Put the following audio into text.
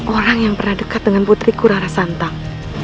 orang yang pernah dekat dengan putriku rara santang